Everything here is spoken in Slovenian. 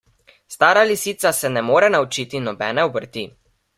Stara lisica se ne more naučiti nobene obrti.